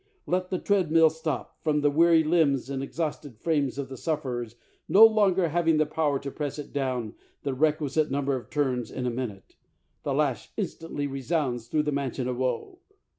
Let the treadmill stop, from the weary limbs and exhausted frames of the sufferers no longer having the power to press it down the requisite number of turns in a minute, the lash instantly resounds through the mansion of woe!